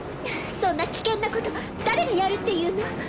そんな危険なこと誰がやるっていうの？